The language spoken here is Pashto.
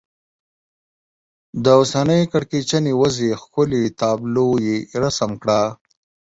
د اوسنۍ کړکېچنې وضعې ښکلې تابلو یې رسم کړه.